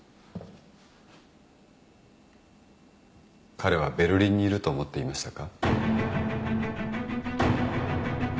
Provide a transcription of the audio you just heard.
彼はベルリンにいると思っていましたか？